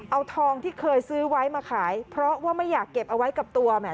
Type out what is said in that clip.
เอาทองที่เคยซื้อไว้มาขายเพราะว่าไม่อยากเก็บเอาไว้กับตัวแหม